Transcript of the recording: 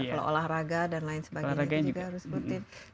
kalau olahraga dan lain sebagainya juga harus dihubungin